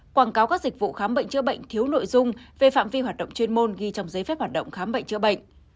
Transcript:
quảng cáo các dịch vụ khám bệnh chữa bệnh thiếu nội dung về phạm vi hoạt động chuyên môn ghi trong giấy phép hoạt động khám bệnh chữa bệnh